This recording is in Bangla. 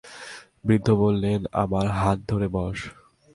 বৃদ্ধ বললেন, আমার হাত ধরে বস।